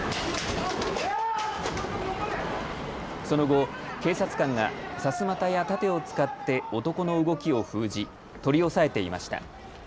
その後、警察官がさすまたや盾を使って男の動きを封じ取り押さえていました。